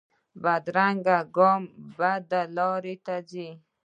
بدرنګه ګام بدې لارې ته ځي